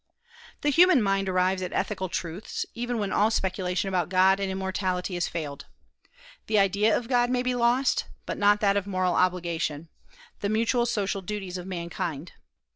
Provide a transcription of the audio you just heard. The human mind arrives at ethical truths, even when all speculation about God and immortality has failed. The idea of God may be lost, but not that of moral obligation, the mutual social duties of mankind.